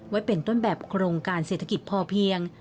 ไว้เป็นต้นแบบโครงการเศรษฐกิจพอเพียง